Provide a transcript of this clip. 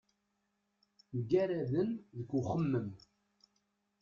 Mgaraden deg uxemmem.